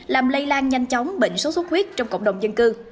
làm lây lan nhanh chóng bệnh xuất xuất huyết trong cộng đồng dân cư